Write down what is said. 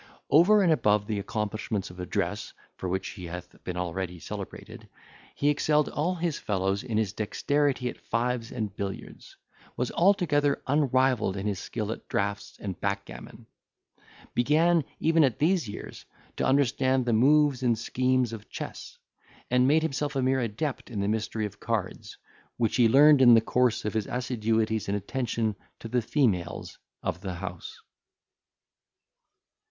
Over and above the accomplishments of address, for which he hath been already celebrated, he excelled all his fellows in his dexterity at fives and billiards; was altogether unrivalled in his skill at draughts and backgammon; began, even at these years, to understand the moves and schemes of chess; and made himself a mere adept in the mystery of cards, which he learned in the course of his assiduities and attention to the females of the house.